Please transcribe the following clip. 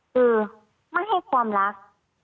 คือไม่ให้ความรัก